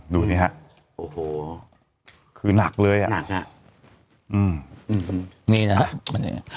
ดูนี่ฮะโอ้โหคือนักเลยอ่ะนักฮะอืมนี่นะฮะ